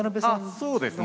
そうですね。